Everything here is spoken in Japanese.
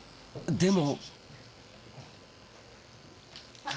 でも。